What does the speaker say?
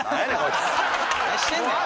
何してんねん！